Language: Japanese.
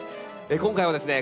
今回はですね